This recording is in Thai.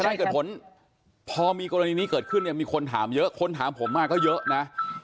เกิดผลพอมีกรณีนี้เกิดขึ้นเนี่ยมีคนถามเยอะคนถามผมมาก็เยอะนะ